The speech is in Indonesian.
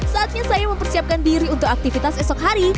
saatnya saya mempersiapkan diri untuk aktivitas esok hari